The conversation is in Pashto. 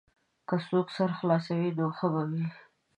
که څوک سر خلاصوي نو ښه به وي.